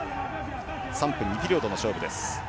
３分２ピリオドの勝負です。